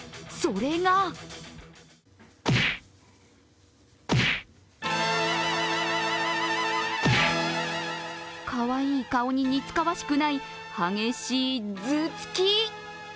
それがかわいい顔に似つかわしくない激しい頭突き。